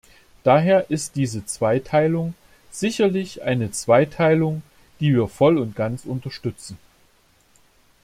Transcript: Daher ist diese Zweiteilung sicherlich eine Zweiteilung, die wir voll und ganz unterstützen.